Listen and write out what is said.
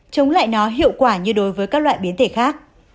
chống lại nó hiệu quả như đối với các loại biến thể khác